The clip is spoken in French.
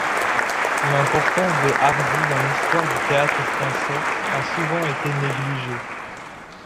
L’importance de Hardy dans l’histoire du théâtre français a souvent été négligée.